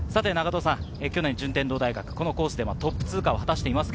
去年、順天堂大学、このコースでトップ通過を果たしています。